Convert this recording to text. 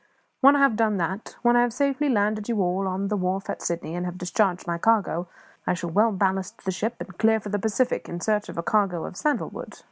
"When I have done that when I have safely landed you all on the wharf at Sydney, and have discharged my cargo, I shall well ballast the ship and clear for the Pacific in search of a cargo of sandal wood.